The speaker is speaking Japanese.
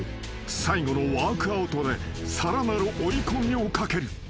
［最後のワークアウトでさらなる追い込みをかける］